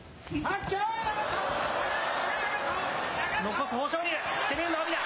残す豊昇龍、攻める阿炎だ。